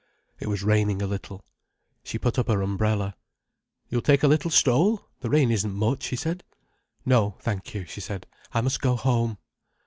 It was raining a little. She put up her umbrella. "You'll take a little stroll. The rain isn't much," he said. "No, thank you," she said. "I must go home."